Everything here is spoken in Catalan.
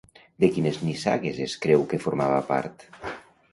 De quines nissagues es creu que formava part?